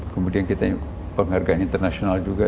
kemudian kita penghargaan internasional juga